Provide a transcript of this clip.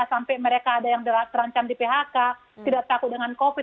sampai mereka ada yang terancam di phk tidak takut dengan covid